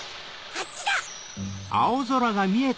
あっちだ！